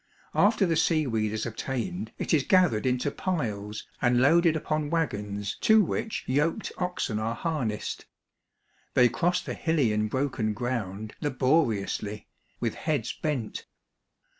After the seaweed is obtained, it is gath A Seaside Harvest, 287 ered into piles and loaded upon wagons to which yoked oxen are harnessed ; they cross the hilly and broken ground laboriously, with heads bent.